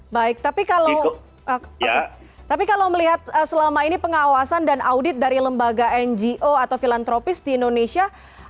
baik tapi kalau melihat selama ini pengawasan dan audit dari lembaga ngo atau filantropis di indonesia